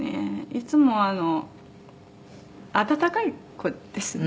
いつもあの温かい子ですね」